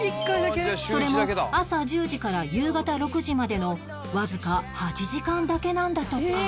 それも朝１０時から夕方６時までのわずか８時間だけなんだとか